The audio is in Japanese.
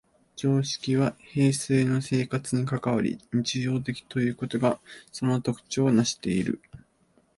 常識は平生の生活に関わり、日常的ということがその特徴をなしている。